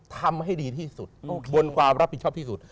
ทำให้ดีที่สุดบนความรับผิดชอบที่สุด